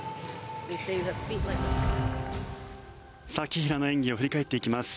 紀平の演技を振り返っていきます。